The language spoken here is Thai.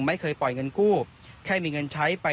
ไม่เคยปล่อยเงินกู้แค่มีเงินใช้ไป